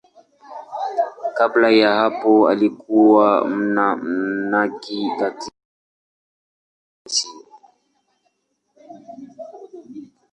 Kabla ya hapo alikuwa mmonaki katika nchi yake, Misri.